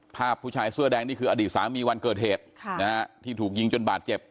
ผู้ชายเสื้อแดงนี่คืออดีตสามีวันเกิดเหตุที่ถูกยิงจนบาดเจ็บ